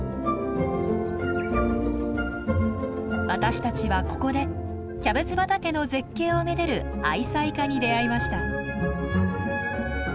私たちはここでキャベツ畑の絶景をめでる愛妻家に出会いました。